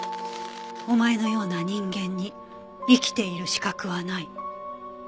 「おまえのような人間に生きている資格はない」